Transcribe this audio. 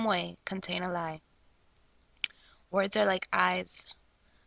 1 5 way, contain a lie. Words are like eyes.